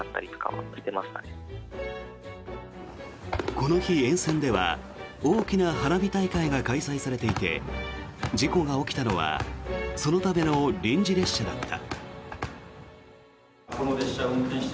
この日、沿線では大きな花火大会が開催されていて事故が起きたのはそのための臨時列車だった。